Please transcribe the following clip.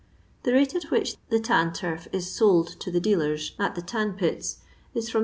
The rate at which the tan turf is sold to the dealers, at the tan piU, is firom 64.